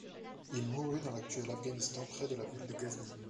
Il mourut dans l’actuel Afghanistan près de la ville de Ghazni.